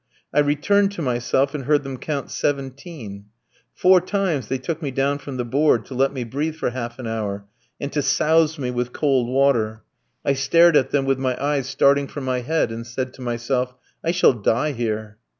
I returned to myself and heard them count seventeen. Four times they took me down from the board to let me breathe for half an hour, and to souse me with cold water. I stared at them with my eyes starting from my head, and said to myself, 'I shall die here.'"